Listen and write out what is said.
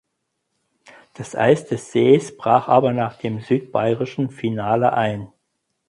Das Eis des Sees brach aber nach dem südbayerischen Finale ein.